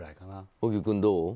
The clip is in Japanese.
小木君、どう？